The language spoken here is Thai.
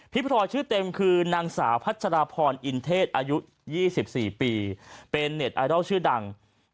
พลอยชื่อเต็มคือนางสาวพัชราพรอินเทศอายุ๒๔ปีเป็นเน็ตไอดอลชื่อดัง